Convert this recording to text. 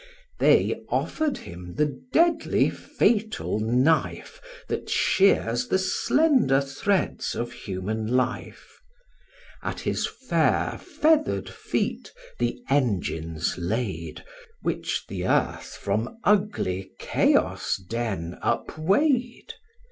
They offer'd him the deadly fatal knife That shears the slender threads of human life; At his fair feather'd feet the engines laid, Which th' earth from ugly Chaos' den upweigh'd.